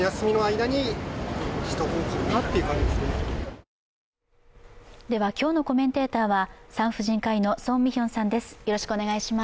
街では今日のコメンテーターは産婦人科医の宋美玄さんです。